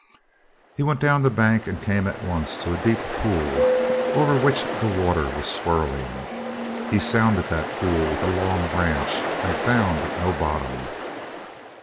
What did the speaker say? He went down the bank and came at once to a deep pool, over which the water was swirling. He sounded that pool with a long branch and found no bottom.